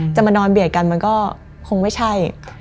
จะมานอนเบียดกันมันก็คงไม่ใช่